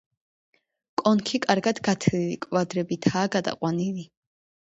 კონქი კარგად გათლილი კვადრებითაა გადაყვანილი.